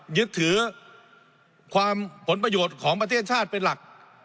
ยึดถือความผลประโยชน์ของประเทศชาติเป็นหลัก